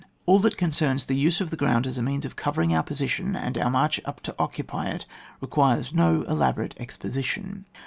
All that concerns the use of the ground as a means for covering our position and our march up to occupy it, requires no elaborate exposition.